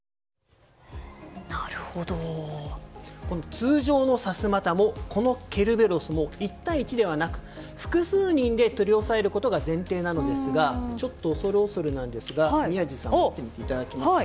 通常のさすまたもこのケルベロスも１対１ではなく複数人で取り押さえることが前提なのですがちょっと恐る恐るなんですが宮司さん、持っていただけますか。